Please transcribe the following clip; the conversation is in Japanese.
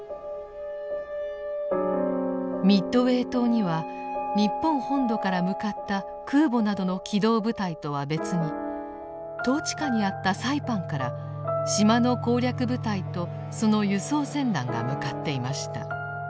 ミッドウェー島には日本本土から向かった空母などの機動部隊とは別に統治下にあったサイパンから島の攻略部隊とその輸送船団が向かっていました。